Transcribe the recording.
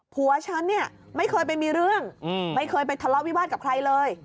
ผัวฉันเนี่ยไม่เคยไปมีเรื่องไม่เคยไปทะเลาะวิวาสกับใครเลย